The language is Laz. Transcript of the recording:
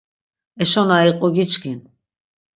Eşo na iqu giçkin.